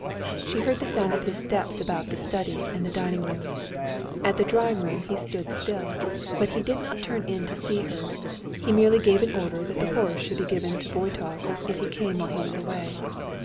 She heard the sound of his steps about the study and the dining room. At the drawing room he stood still. But he did not turn in to see her, he merely gave an order that the horse should be given to Voytov if he came while he was away.